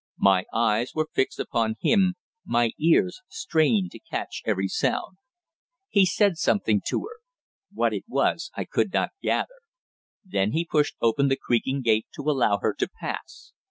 My eyes were fixed upon him, my ears strained to catch every sound. He said something to her. What it was I could not gather. Then he pushed open the creaking gate to allow her to pass.